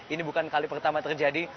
ini bukan kali pertama terjadi